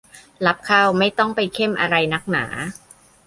รับเข้าไม่ต้องไปเข้มอะไรนักหนา